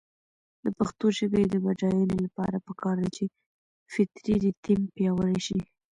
د پښتو ژبې د بډاینې لپاره پکار ده چې فطري ریتم پیاوړی شي.